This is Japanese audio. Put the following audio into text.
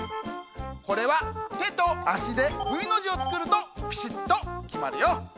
これはてとあしでＶのじをつくるとピシッときまるよ。